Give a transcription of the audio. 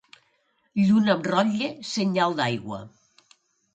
Lluna amb rotlle, senyal d'aigua.